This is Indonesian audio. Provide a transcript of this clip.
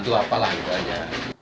itu apalah itu aja